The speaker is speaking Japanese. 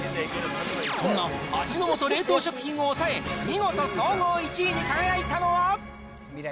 そんな味の素冷凍食品を抑え、見事総合１位に輝いたのは。